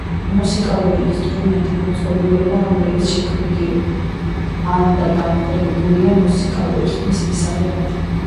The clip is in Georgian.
მუსიკალური ინსტრუმენტი მოწყობილობა რომელიც შექმნილი ან და გამოყენებულია მუსიკალური ხმის მისაღებად.